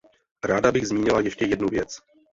Ráda bych zmínila ještě jednu věc.